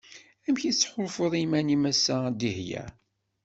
Amek i tettḥulfuḍ iman-im ass-a a Dihya?